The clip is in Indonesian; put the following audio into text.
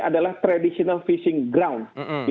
adalah traditional fishing ground